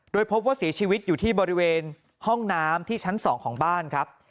โดยพบว่าเสียชีวิตอยู่ที่บริเวณห้องน้ำที่ชั้น๒ของบ้านครับ